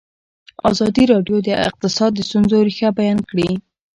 ازادي راډیو د اقتصاد د ستونزو رېښه بیان کړې.